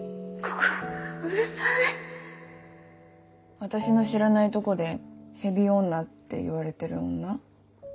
ここうるさい私の知らないとこで「ヘビ女」っていわれてる女。